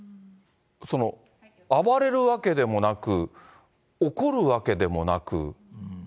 その暴れるわけでもなく、怒るわけでもなく。